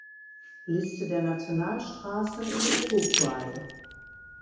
Liste der Nationalstraßen in Uruguay